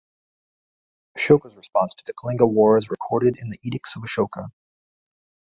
Ashoka's response to the Kalinga War is recorded in the Edicts of Ashoka.